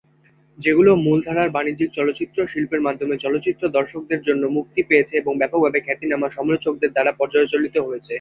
যেগুলো মূলধারার বাণিজ্যিক চলচ্চিত্র শিল্পের মাধ্যমে চলচ্চিত্র দর্শকদের জন্যে মুক্তি পেয়েছে এবং ব্যাপকভাবে খ্যাতনামা সমালোচকদের দ্বারা পর্যালোচিত হয়েছে।